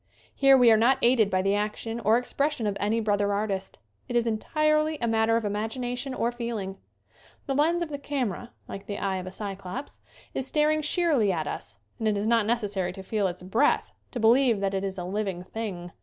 Here we are not aided by the action or ex pression of any brother artist. It is entirely a matter of imagination or feeling. The lens of the camera, like the eye of a Cyclops, is staring sheerly at us and it is not necessary to feel its breath to believe that it is a living thing.